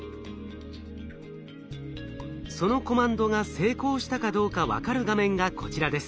そのコマンドが成功したかどうか分かる画面がこちらです。